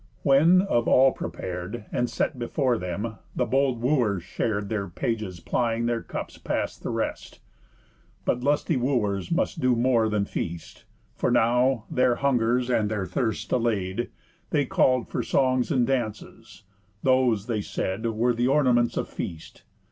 When, of all prepar'd And set before them, the bold wooers shar'd, Their pages plying their cups past the rest. But lusty wooers must do more than feast; For now, their hungers and their thirsts allay'd, They call'd for songs and dances; those, they said, Were th' ornaments of feast.